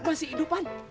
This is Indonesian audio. masih hidup pan